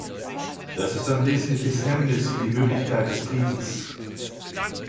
Das ist ein wesentliches Hemmnis für die Möglichkeit des Friedens.